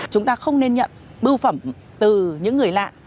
chúng ta không nên nhận bưu phẩm từ những người lạ